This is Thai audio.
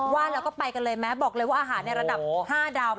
ว่าเราก็ไปกันเลยอะบอกเลยว่าอาหารนี้ระดับ๕ดาว